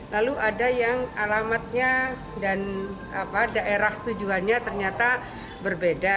lalu ada yang alamatnya dan daerah tujuannya ternyata berbeda